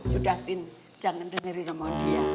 sudah din jangan dengerin omongan dia